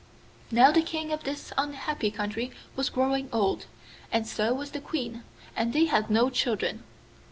Now the King of this unhappy country was growing old, and so was the Queen, and they had no children.